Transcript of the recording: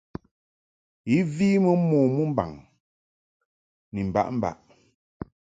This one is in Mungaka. I vi mɨ mo mɨmbaŋ ni mbaʼmbaʼ.